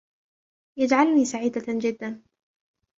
يجعلني سعيدة جدا.